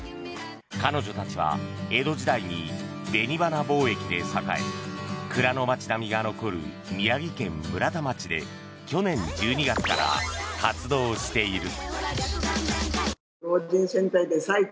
彼女たちは江戸時代に紅花貿易で栄え蔵の街並みが残る宮城県村田町で去年１２月から活動している。